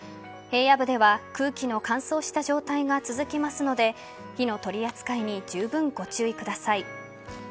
平野部では空気の乾燥した状態が続きますので火の取り扱いにじゅうぶんご注意ください。